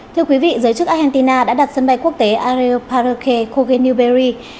thưa quý vị giới chức argentina đã đặt sân bay quốc tế aeroparque coghenilberry